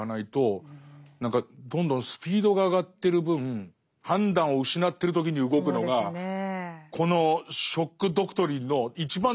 何かどんどんスピードが上がってる分判断を失ってる時に動くのがこの「ショック・ドクトリン」の一番得意とするところならば。